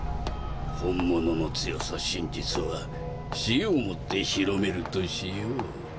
本物の強さ真実は死をもって広めるとしよう。